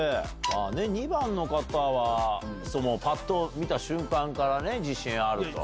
２番の方はぱっと見た瞬間から自信あると。